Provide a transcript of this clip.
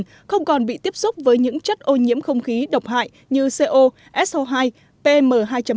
hộ gia đình không còn bị tiếp xúc với những chất ô nhiễm không khí độc hại như co so hai pm hai năm